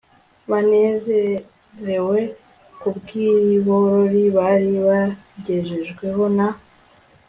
banezerewe kubwiborori bari bagejejweho na